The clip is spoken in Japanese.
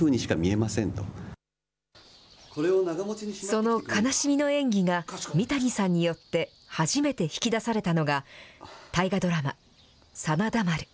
その悲しみの演技が、三谷さんによって初めて引き出されたのが、大河ドラマ、真田丸。